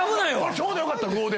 ちょうどよかった５で。